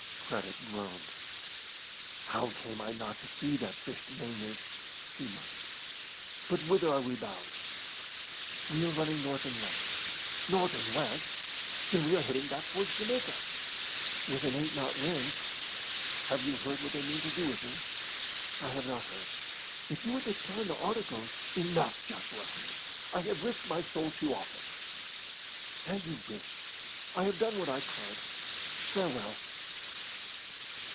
Craddock groaned. "How came I not to see that fished mainyard?" he muttered. "But whither are we bound?" "We are running north and west." "North and west! Then we are heading back towards Jamaica." "With an eight knot wind." "Have you heard what they mean to do with me?" "I have not heard. If you would but sign the articles " "Enough, Joshua Hird! I have risked my soul too often." "As you wish. I have done what I could. Farewell!"